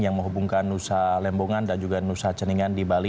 yang menghubungkan nusa lembongan dan juga nusa ceningan di bali